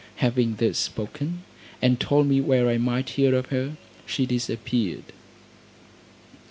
Having thus spoken and told me where I might hear of her, she disappeared.